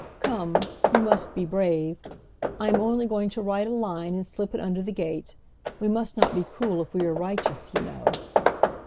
"Come, you must be brave. I am only going to write a line and slip it under the gate. We must not be cruel if we are righteous, you know."